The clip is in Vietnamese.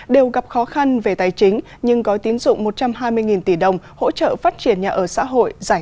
đều gặp khó khăn về tài chính nhưng gói tín dụng một trăm hai mươi tỷ đồng hỗ trợ phát triển nhà ở xã hội giải ngân